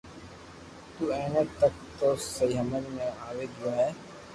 تو ايتي تڪ تو مني ھمج ۾ آوئي گيو ھي